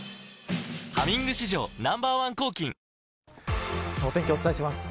「ハミング」史上Ｎｏ．１抗菌お天気、お伝えします。